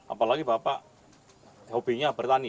apalagi bapak hobinya bertani